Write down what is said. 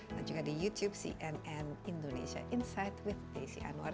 dan juga di youtube cnn indonesia insight with desy anwar